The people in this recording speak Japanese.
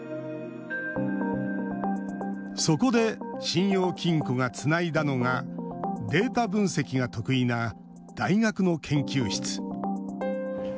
そこで、信用金庫がつないだのがデータ分析が得意な大学の研究室。